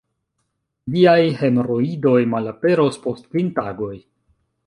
Viaj hemoroidoj malaperos post kvin tagoj.